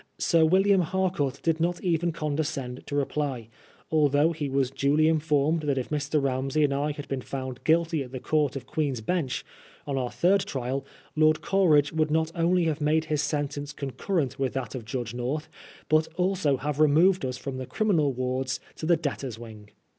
Sir William Harcourt did not even con* descend to reply, although he was duly informed that if Mr. Ramsey and I had been found Ouilty at the Court of Queen's Bench, on our third trial. Lord Cole* ridge would not only have made his sentence concur rent with that of Judge Korth, but also have removed us from the criminal wards to the debtors' wing.